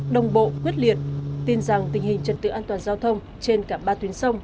đồng bộ quyết liệt tin rằng tình hình trật tự an toàn giao thông trên cả ba tuyến sông